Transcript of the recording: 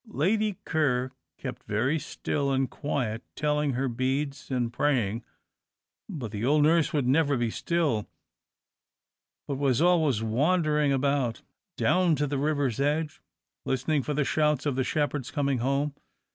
Lady Ker kept very still and quiet, telling her beads, and praying. But the old nurse would never be still, but was always wandering out, down to the river's edge, listening for the shouts of the shepherds coming home.